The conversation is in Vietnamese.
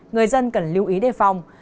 người dân cần lưu ý đề phòng